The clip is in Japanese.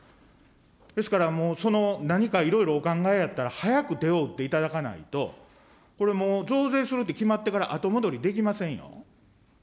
ですからもう、何かいろいろお考えだったら早く手を打っていただかないと、これもう、増税するって決まってから後戻りできませんよ。